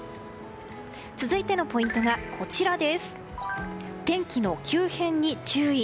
続いてのポイントが天気の急変に注意。